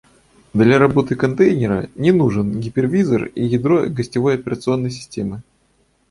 Для работы контейнера не нужен гипервизор и ядро гостевой операционной системы